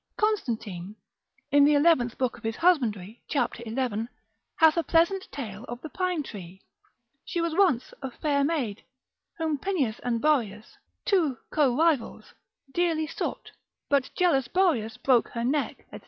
Constantine, in the eleventh book of his husbandry, cap. 11, hath a pleasant tale of the pine tree; she was once a fair maid, whom Pineus and Boreas, two co rivals, dearly sought; but jealous Boreas broke her neck, &c.